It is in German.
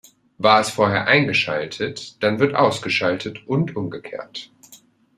War es vorher eingeschaltet, dann wird ausgeschaltet und umgekehrt.